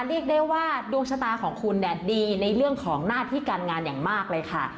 เรียกได้ว่าดวงชะตาของคุณเนี่ยดีในเรื่องของหน้าที่การงานอย่างมากเลยค่ะ